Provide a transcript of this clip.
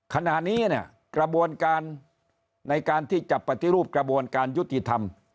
ขณะนี้เนี่ยกระบวนการในการที่จะปฏิรูปกระบวนการยุติธรรม